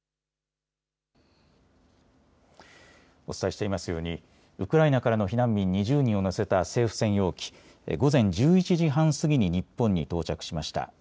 お伝えしていますようにウクライナからの避難民２０人を乗せた政府専用機、午前１１時半過ぎに日本に到着しました。